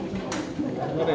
頑張れ！